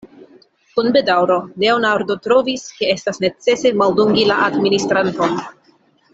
Kun bedaŭro Leonardo trovis, ke estas necese maldungi la administranton.